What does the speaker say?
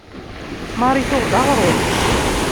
Marie tuɣ-d aɣrum.